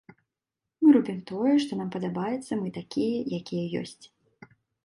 Мы робім тое, што нам падабаецца, мы такія, якія ёсць.